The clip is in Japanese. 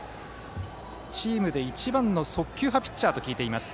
チームで一番の速球派ピッチャーと聞いています。